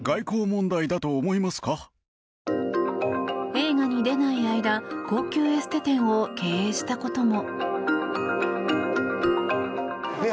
映画に出ない間高級エステ店を経営したことも。